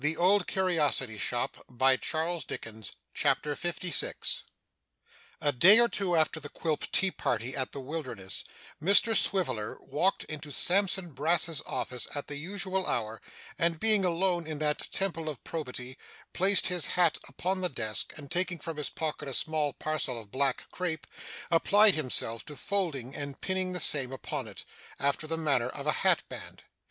'Spring! a beautiful and happy time!' CHAPTER 56 A day or two after the Quilp tea party at the Wilderness, Mr Swiveller walked into Sampson Brass's office at the usual hour, and being alone in that Temple of Probity, placed his hat upon the desk, and taking from his pocket a small parcel of black crape, applied himself to folding and pinning the same upon it, after the manner of a hatband.